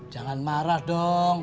jangan marah dong